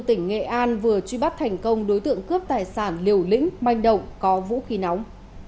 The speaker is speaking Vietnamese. công an huyện đô lương nghệ an vừa truy bắt thành công đối tượng cướp tài sản liều lĩnh manh động có vũ khí nóng